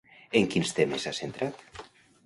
En quins temes s'ha centrat?